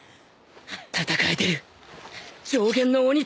戦えてる上弦の鬼と